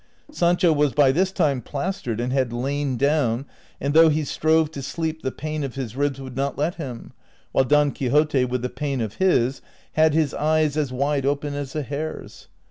Sancho was by this time plastered and had lain down, and though he strove to sleep the pain of his ribs would not let him, while Don Quixote with the pain of his, had his eyes as wide open as a hare's.